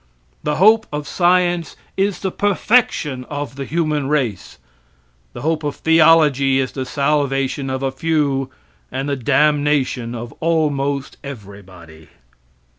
The hope of science is the perfection of the human race. The hope of theology is the salvation of a few and the damnation of almost everybody.